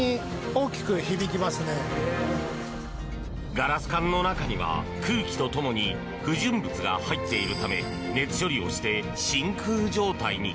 ガラス管の中には、空気と共に不純物が入っているため熱処理をして真空状態に。